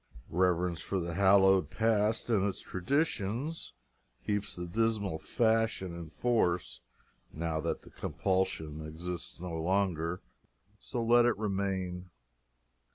Reverence for the hallowed Past and its traditions keeps the dismal fashion in force now that the compulsion exists no longer. So let it remain.